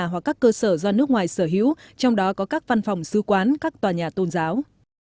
hoặc các cơ sở do nước ngoài sở hữu trong đó có các văn phòng sư quán các tòa nhà tôn giáo